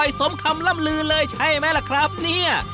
สมคำล่ำลือเลยใช่ไหมล่ะครับเนี่ย